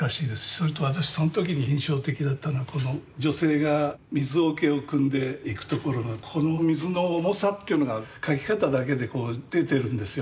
それと私その時に印象的だったのはこの女性が水桶をくんでいくところのこの水の重さっていうのが描き方だけでこう出てるんですよね。